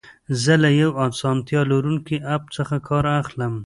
زه له یو اسانتیا لرونکي اپ څخه کار اخلم.